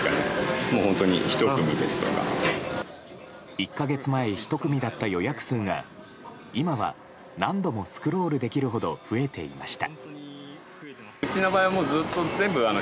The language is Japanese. １か月前、１組だった予約数が今は何度もスクロールできるほど増えていました。